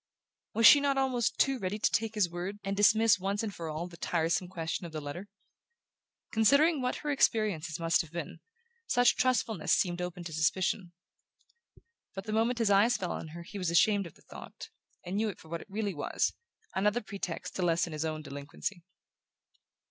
Was she not almost too ready to take his word, and dismiss once for all the tiresome question of the letter? Considering what her experiences must have been, such trustfulness seemed open to suspicion. But the moment his eyes fell on her he was ashamed of the thought, and knew it for what it really was: another pretext to lessen his own delinquency.